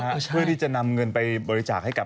เพื่อที่จะนำเงินไปบริจาคให้กับ